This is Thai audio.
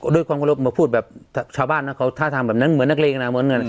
ด้วยความเคารพมาพูดแบบชาวบ้านนะเขาท่าทางแบบนั้นเหมือนนักเลงนะเหมือนเงิน